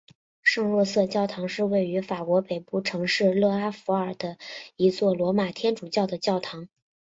圣若瑟教堂是位于法国北部城市勒阿弗尔的一座罗马天主教的教堂。